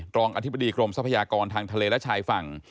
รองอธิบดีกรมทรัพยากรทางทะเลและชายฝั่ง